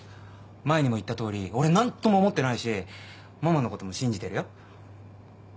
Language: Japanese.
前にも言ったとおり俺何とも思ってないしママのことも信じてるよ。